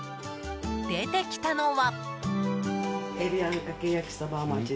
出てきたのは。